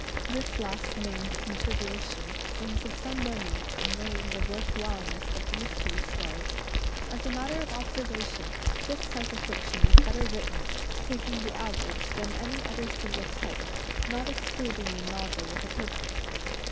This last named consideration seems of some moment in weighing the worth whileness of the mystery story. As a matter of observation, this type of fiction is better written, taking the average, than any other single type, not excluding the "novel with a purpose."